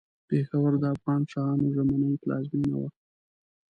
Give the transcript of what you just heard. پېښور د افغان شاهانو ژمنۍ پلازمېنه وه.